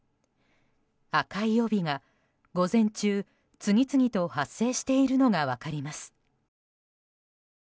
赤い帯が午前中次々と発生しているのが分かります。